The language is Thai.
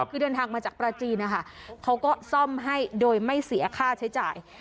คือเดินทางมาจากปลาจีนนะคะเขาก็ซ่อมให้โดยไม่เสียค่าใช้จ่าย